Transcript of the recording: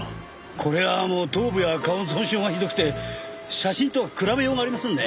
これはもう頭部や顔の損傷がひどくて写真と比べようがありませんね。